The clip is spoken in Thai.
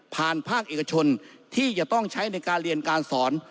ภาคเอกชนที่จะต้องใช้ในการเรียนการสอน